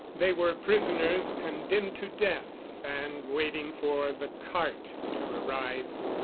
They were prisoners condemned to death and waiting for the cart to arrive.